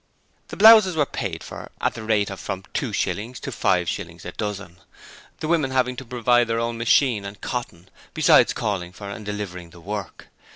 The blouses were paid for at the rate of from two shillings to five shillings a dozen, the women having to provide their own machine and cotton, besides calling for and delivering the work.